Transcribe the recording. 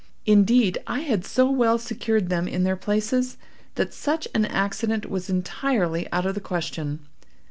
Indeed, I had so well secured them in their places, that such an accident was entirely out of the question.